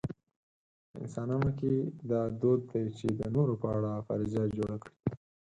په انسانانو کې دا دود دی چې د نورو په اړه فرضیه جوړه کړي.